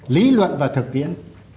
lý luận và thực tiễn